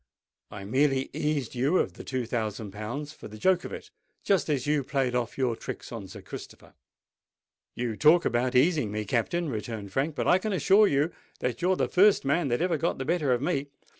I merely eased you of the two thousand pounds for the joke of it—just as you played off your tricks on Sir Christopher." "You talk about easing me, Captain," returned Frank; "but I can assure you that you're the first man that ever got the better of me.